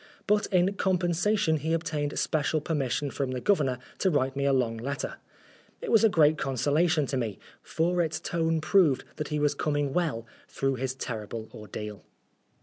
But in com pensation he obtained special permission from the Governor to write me a long letter. It was a great consolation to me, for its tone proved that he was coming well through his terrible ordeal.